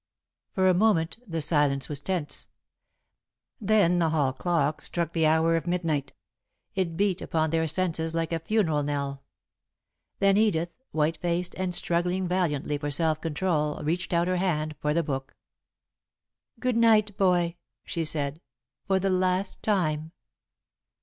For a moment the silence was tense. Then the hall clock struck the hour of midnight. It beat upon their senses like a funeral knell. Then Edith, white faced, and struggling valiantly for self control, reached out her hand for the book. [Sidenote: Good bye] "Good night, Boy," she said, "for the last time."